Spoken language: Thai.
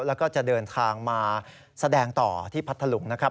แล้วก็จะเดินทางมาแสดงต่อที่พัทธลุงนะครับ